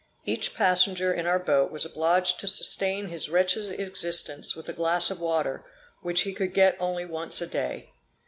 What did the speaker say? Each passenger in our boat was obliged to sustain his wretched existence with a glass of water, which he could get only once a day.